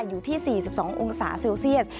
อยู่ที่๔๒องศาเซลเซียส